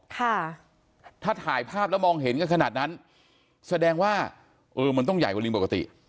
ค่ะถ้าถ่ายภาพแล้วมองเห็นกันขนาดนั้นแสดงว่าเออมันต้องใหญ่กว่าลิงปกติ